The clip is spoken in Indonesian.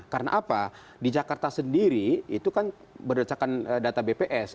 karena apa di jakarta sendiri itu kan berdasarkan data bps